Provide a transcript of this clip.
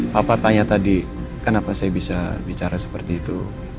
papa tanya tadi kenapa saya bisa bicara seperti itu